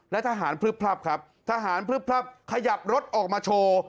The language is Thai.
และทหารพลึบพลับครับทหารพลึบพลับขยับรถออกมาโชว์